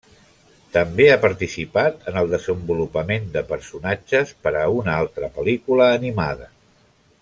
També ha participat en el desenvolupament de personatges per a una altra pel·lícula animada.